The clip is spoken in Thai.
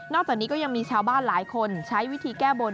จากนี้ก็ยังมีชาวบ้านหลายคนใช้วิธีแก้บน